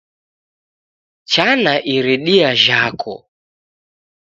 Chana iridia jhako